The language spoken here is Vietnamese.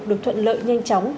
được thuận lợi nhanh chóng